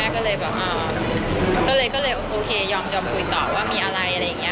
ก็คุณแม่ก็เลยโอเคยอมยอมคุยต่อว่ามีอะไรอะไรอย่างเงี้ย